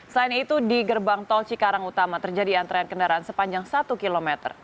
selain itu di gerbang tol cikarang utama terjadi antrean kendaraan sepanjang satu km